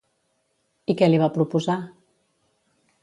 I què li va proposar?